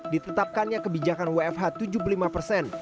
ditetapkannya kebijakan wfh tujuh puluh lima persen